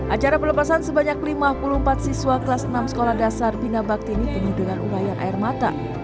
acara pelepasan sebanyak lima puluh empat siswa kelas enam sekolah dasar bina bakti ini penuh dengan urayan air mata